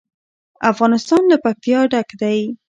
افغانستان له پکتیا ډک دی.